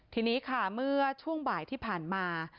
ทีนี้ค่ะเมื่อช่วงบ่ายที่ผ่านมา